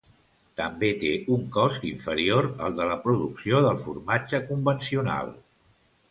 També té un cost inferior al de la producció del formatge convencional.